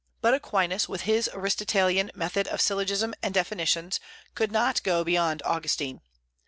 But Aquinas, with his Aristotelian method of syllogism and definitions, could not go beyond Augustine.